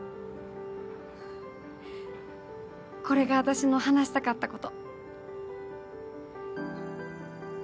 これが私の話したかったこと。